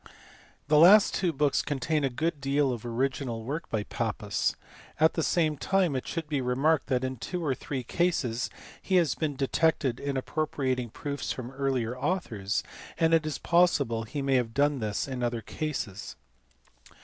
The last two books contain a good deal of original work by Pappus; at the same time it should be remarked that in two or three cases he has been detected in appropriating proofs from earlier authors, and it is possible he may have done this in other cases.